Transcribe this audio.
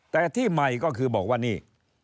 แต่ที่ใหม่ก็คือบอกว่านี่